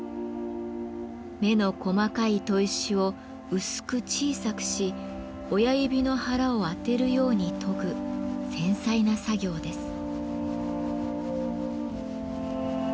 目の細かい砥石を薄く小さくし親指の腹を当てるように研ぐ繊細な作業です。